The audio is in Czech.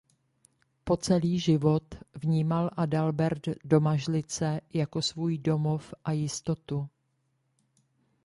Po celý život vnímal Adalbert Domažlice jako svůj domov a jistotu.